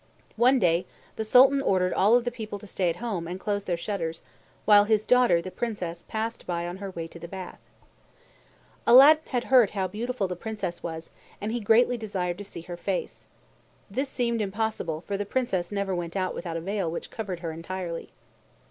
One day the Sultan ordered all of the people to stay at home and close their shutters, while his daughter, the Princess, passed by on her way to the bath. Aladdin had heard how beautiful the Princess was, and he greatly desired to see her face. This seemed impossible, for the Princess never went out without a veil which covered her entirely.